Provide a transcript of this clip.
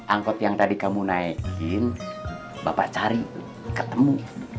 angkot yang tadi kamu naikin bapak cari ketemu